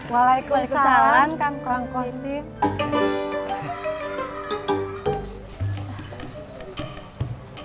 waalaikumsalam kang kostim